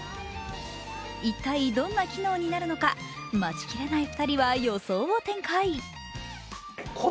一体どんな機能になるのか、待ちきれない２人は予想を展開。